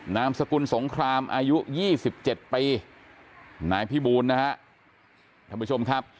นามสกุลสงครามอายุ๒๗ปีนายพี่บูลนะฮะท่านผู้ชมครับ